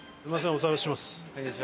お騒がせします。